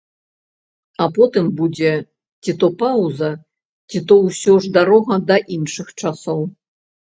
А потым будзе ці то паўза, ці то ўсё ж дарога да іншых часоў.